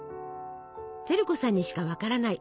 照子さんにしか分からない